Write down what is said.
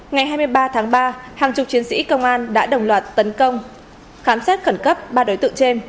ngày hai mươi ba tháng ba hàng chục chiến sĩ công an đã đồng loạt tấn công khám xét khẩn cấp ba đối tượng trên